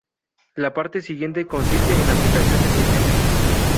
La parte siguiente consiste en aplicaciones y ejemplos.